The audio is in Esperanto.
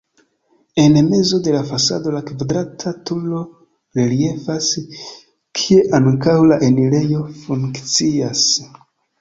En mezo de la fasado la kvadrata turo reliefas, kie ankaŭ la enirejo funkcias.